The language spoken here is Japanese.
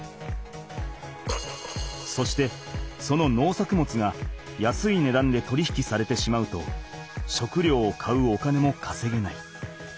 そしてその農作物が安い値段で取り引きされてしまうと食料を買うお金もかせげない。